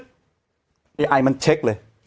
ไอมันเช็คเลย